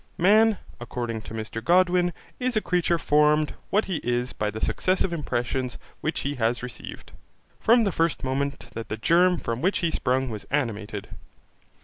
Man, according to Mr Godwin, is a creature formed what he is by the successive impressions which he has received, from the first moment that the germ from which he sprung was animated.